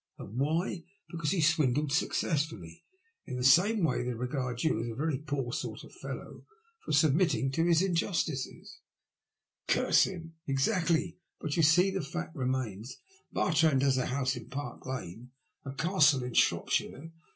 And why ? Because he swindled success fully. In the same way they regard you as a very poor sort of fellow for submitting to his injustice." " Curse him !"*' Exactly. But, you see, the fact remains. Bartrand has a house in Park Lane and a castle in Shropshire.